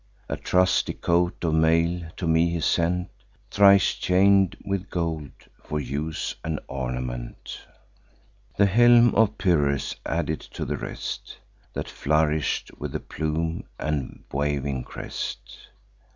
A trusty coat of mail to me he sent, Thrice chain'd with gold, for use and ornament; The helm of Pyrrhus added to the rest, That flourish'd with a plume and waving crest.